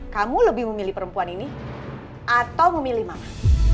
kamu lebih memilih perempuan ini atau memilih maaf